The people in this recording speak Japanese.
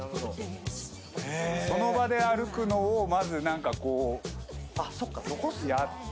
「その場で歩くのをまず何かこうやって」